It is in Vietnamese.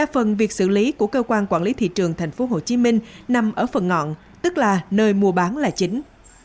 phần việc xử lý của cơ quan quản lý thị trường thành phố hồ chí minh nằm ở phần ngọn tức là nơi mua bán là chính